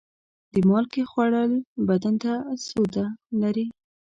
د مالګې خوړل بدن ته سوده لري.